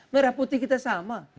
merah putih kita sama